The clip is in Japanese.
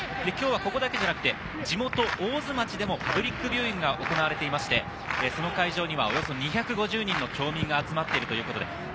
今日はここだけではなく、地元・大津町でもパブリックビューイングが行われていまして、この会場にはおよそ２５０人の町民が集まっているということです。